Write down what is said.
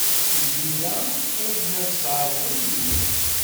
Lbira ad d-aṣerɣu-inu.